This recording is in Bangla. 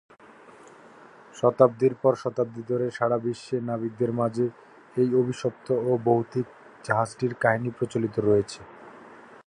শতাব্দীর পর শতাব্দী ধরে সাড়া বিশ্বে নাবিকদের মাঝে এই অভিশপ্ত ও ভৌতিক জাহাজটির কাহিনী প্রচলিত রয়েছে।